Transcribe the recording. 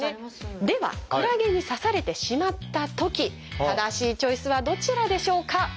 ではクラゲに刺されてしまったとき正しいチョイスはどちらでしょうか？